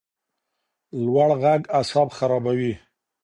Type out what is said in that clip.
لوړ غږ اعصاب خرابوي